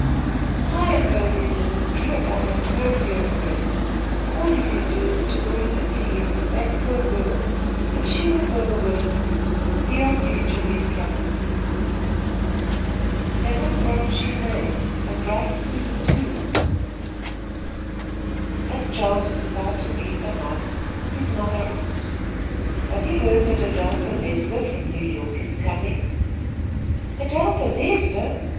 "I oppose his ministry, and I have no fear of him. All he can do is to wound the feelings of that poor girl; but she will go away soon, beyond reach of his calumny." "Heaven grant she may, and right soon, too." As Charles was about to leave the house, his mother asked: "Have you heard that Adelpha Leisler from New York is coming?" "Adelpha Leisler!